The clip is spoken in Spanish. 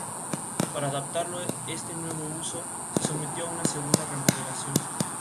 Para adaptarlo a este nuevo uso, se sometió a una segunda remodelación.